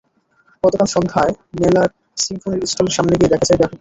গতকাল সন্ধ্যায় মেলার সিম্ফনির স্টলের সামনে গিয়ে দেখা যায় ব্যাপক ভিড়।